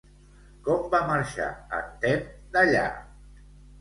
Com va marxar en Temme d'allà?